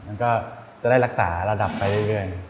มันก็จะได้รักษาระดับไปเรื่อย